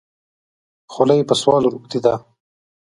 خوله یې په سوال روږده ده.